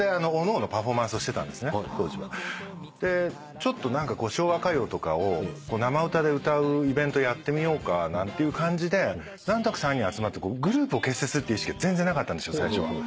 ちょっと何か昭和歌謡とかを生歌で歌うイベントやってみようかなんていう感じで何となく３人集まってグループを結成するって意識は全然なかったんですよ最初。